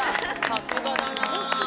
さすがだな。